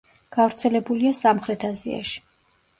გავრცელებულია სამხრეთ აზიაში.